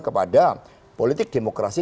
kepada politik demokrasi